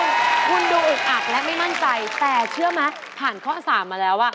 คุณดูอึกอักและไม่มั่นใจแต่เชื่อไหมผ่านข้อ๓มาแล้วอ่ะ